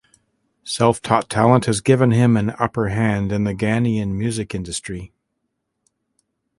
Self taught talent has given him an upper hand in the Ghanaian music industry.